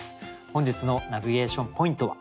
本日のナビゲーション・ポイントは？